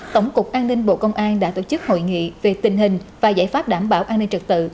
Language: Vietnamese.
tổng cục an ninh bộ công an đã tổ chức hội nghị về tình hình và giải pháp đảm bảo an ninh trật tự